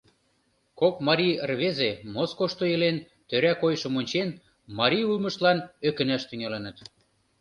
Кок марий рвезе, Москошто илен, тӧра койышым ончен, марий улмыштлан ӧкынаш тӱҥалыныт.